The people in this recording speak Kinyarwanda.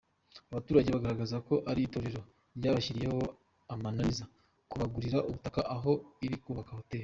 Aba baturage bagaragaza ko iri torero ryabashyizeho amananiza kubagurira ubutaka aho riri kubaka hoteli.